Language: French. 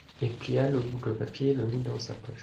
il plia le bout de papier et le mit dans sa poche.